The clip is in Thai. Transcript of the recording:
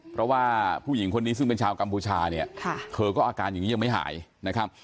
เพราะว่าผู้หญิงคนนี้ซึ่งเป็นชาวกัมพูชาเนี่ยเธอก็อาการอย่างนี้ยังไม่หายนะครับ